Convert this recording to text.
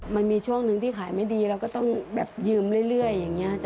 มันมีช่วงหนึ่งที่ขายไม่ดีเราก็ต้องแบบยืมเรื่อยอย่างนี้